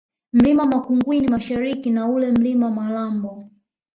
Mlima Makungwini Mashariki na ule Mlima Malambo